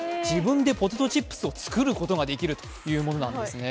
自分でポテトチップスを作ることができるというものなんです。